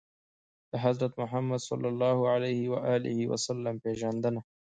د حضرت محمد ﷺ پېژندنه